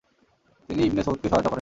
তিনি ইবনে সৌদকে সহায়তা করেন।